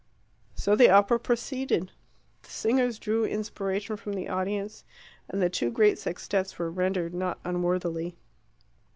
So the opera proceeded. The singers drew inspiration from the audience, and the two great sextettes were rendered not unworthily.